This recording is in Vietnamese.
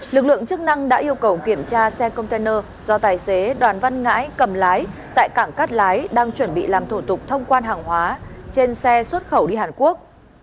lực lượng chức năng đã yêu cầu kiểm tra xe container do tài xế đoàn văn ngãi cầm lái tại cảng cát lái đang chuẩn bị làm thủ tục thông quan hàng hóa trên xe xuất khẩu đi hàn quốc